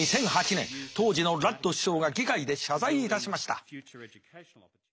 当時のラッド首相が議会で謝罪いたしました。